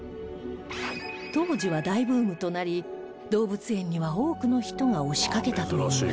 当時は大ブームとなり動物園には多くの人が押しかけたといいます